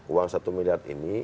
uang satu miliar ini